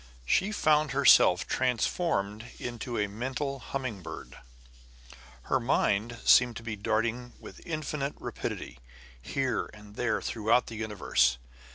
She found herself transformed into a mental humming bird. Her mind seemed to be darting with infinite rapidity, here and there throughout the universe.